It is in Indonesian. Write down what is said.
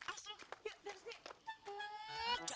dasar perempuan kentil